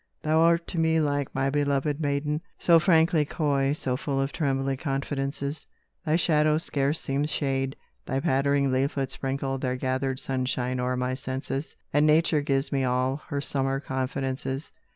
Thou art to me like my beloved maiden, So frankly coy, so full of trembly confidences; Thy shadow scarce seems shade, thy pattering leaflets Sprinkle their gathered sunshine o'er my senses, And Nature gives me all her summer confidences.